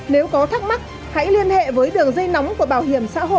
nếu có thắc mắc hãy liên hệ với đường dây nóng của bảo hiểm sở